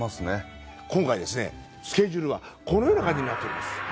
今回ですねスケジュールがこのような感じになっております。